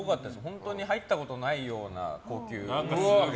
本当に入ったことないような高級レストランで。